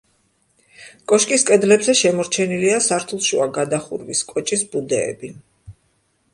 კოშკის კედლებზე შემორჩენილია სართულშუა გადახურვის კოჭის ბუდეები.